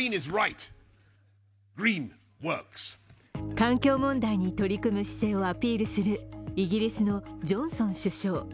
環境問題に取り組む姿勢をアピールするイギリスのジョンソン首相。